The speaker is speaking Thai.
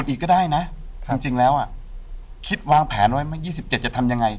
อีกก็ได้นะจริงจริงแล้วอ่ะคิดวางแผนไว้ไหมยี่สิบเจ็ดจะทำยังไง